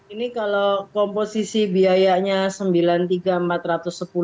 ini kalau komposisi biayanya rp sembilan tiga ratus